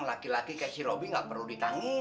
laki laki kayak si robi gak perlu ditangisin